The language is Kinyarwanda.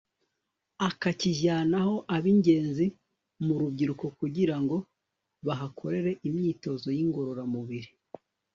akakijyanaho ab'ingenzi mu rubyiruko kugira ngo bahakorere imyitozo y'ingororamubiri